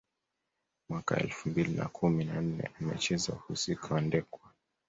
Mwaka elfu mbili na kumi na nne amecheza uhusika wa Ndekwa